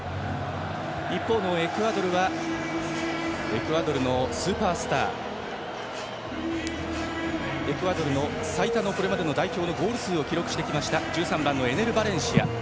一方のエクアドルはエクアドルのスーパースターエクアドルのこれまでの最多のゴール数を記録してきました１３番のエネル・バレンシア。